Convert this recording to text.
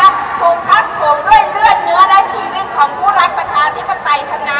ถูกพักผมด้วยเลือดเนื้อและชีวิตของผู้รักประชาธิปไตยทั้งนั้น